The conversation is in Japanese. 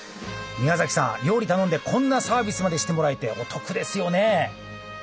宮崎さん料理頼んでこんなサービスまでしてもらえてお得ですよね。